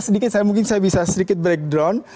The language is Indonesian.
sedikit saya mungkin bisa sedikit breakdown